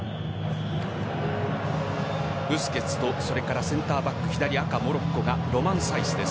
ブスケツとセンターバック左、モロッコがロマン・サイスです。